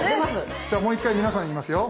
じゃあもう１回皆さん言いますよ。